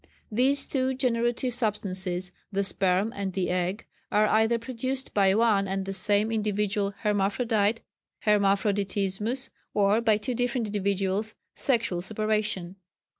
These two generative substances, the sperm and the egg, are either produced by one and the same individual hermaphrodite (Hermaphroditismus) or by two different individuals (sexual separation).